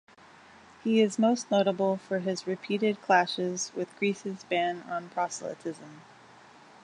He is most notable for his repeated clashes with Greece's ban on proselytism.